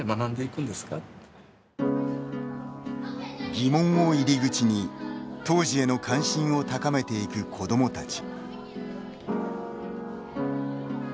疑問を入り口に、当時への関心を高めていく子どもたち。